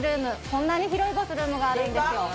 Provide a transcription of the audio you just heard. こんなに広いバスルームがあるんですよ